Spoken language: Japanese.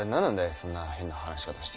そんな変な話し方して。